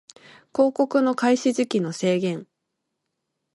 広告の開始時期の制限